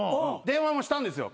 電話もしたんですよ